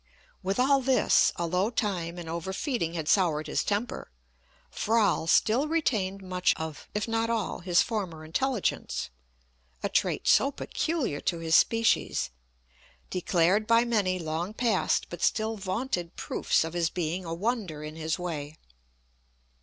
With all this, although time and over feeding had soured his temper, Froll still retained much of, if not all, his former intelligence (a trait so peculiar to his species), declared by many long past but still vaunted proofs of his being a wonder in his way.